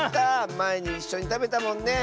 まえにいっしょにたべたもんね。